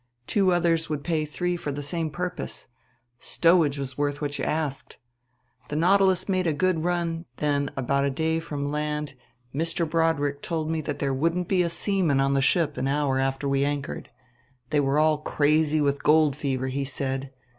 Two others would pay three for the same purpose. Stowage was worth what you asked.... The Nautilus made a good run; then, about a day from land, Mr. Broadrick told me that there wouldn't be a seaman on the ship an hour after we anchored. They were all crazy with gold fever, he said.